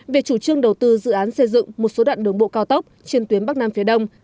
về chủ trương đầu tư dự án xây dựng một số đoạn đường bộ cao tốc trên tuyến bắc nam phía đông